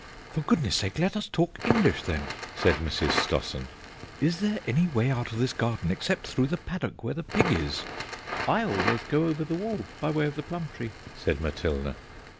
"For goodness' sake let us talk English then," said Mrs. Stossen. "Is there any way out of this garden except through the paddock where the pig is?" "I always go over the wall, by way of the plum tree," said Matilda.